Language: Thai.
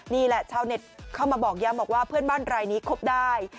นี่แหละชาวเน็ตเข้ามาบอกย้ำบอกว่าเพื่อนบ้านรายนี้คบได้